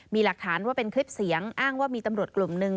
มีหลักฐานว่าเป็นคลิปเสียงอ้างว่ามีตำรวจกลุ่มหนึ่ง